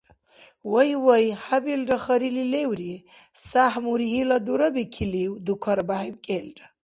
– Вай-вай, хӀябилра харили леври, сяхӀ мургьила дурабикилив? – дукарбяхӀиб кӀелра.